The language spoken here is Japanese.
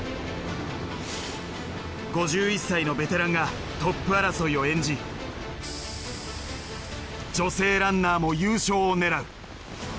５１歳のベテランがトップ争いを演じ女性ランナーも優勝を狙う。